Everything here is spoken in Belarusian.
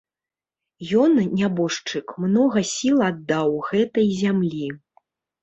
Ён, нябожчык, многа сіл аддаў гэтай зямлі.